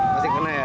masih kena ya